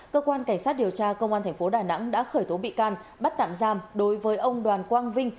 cơ quan cảnh sát điều tra công an tp đà nẵng đã khởi tố bị can bắt tạm giam đối với ông đoàn quang vinh